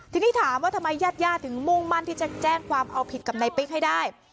ทีนี้ถามว่าทำไมญาติญาติถึงมุ่งมั่นที่จะแจ้งความเอาผิดกับนายปิ๊กให้ได้